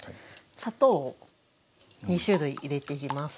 砂糖を２種類入れていきます。